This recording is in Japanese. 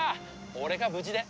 俺が無事で。